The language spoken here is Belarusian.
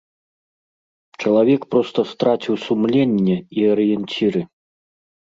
Чалавек проста страціў сумленне і арыенціры.